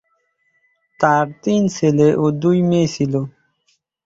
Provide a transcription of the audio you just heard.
তাঁর তিন ছেলে ও দুই মেয়ে ছিল।